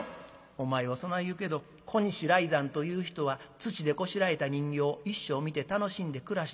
「お前はそない言うけど小西来山という人は土でこしらえた人形一生見て楽しんで暮らしたというねん。